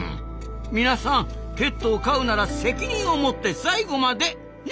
みなさんペットを飼うなら責任を持って最後まで！ね。